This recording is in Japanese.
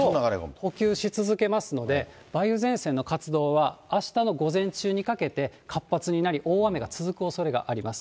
補給し続けますので、梅雨前線の活動は、あしたの午前中にかけて活発になり、大雨が続くおそれがあります。